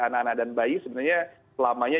anak anak dan bayi sebenarnya selamanya